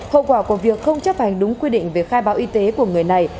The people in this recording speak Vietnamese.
hậu quả của việc không chấp hành đúng quy định về khai báo y tế của người này